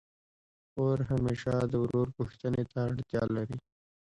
خور همېشه د ورور پوښتني ته اړتیا لري.